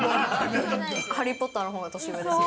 ハリー・ポッターのほうが年上です。